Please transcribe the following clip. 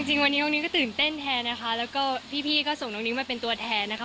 จริงวันนี้น้องนิ้งก็ตื่นเต้นแทนนะคะแล้วก็พี่ก็ส่งน้องนิ้งมาเป็นตัวแทนนะคะ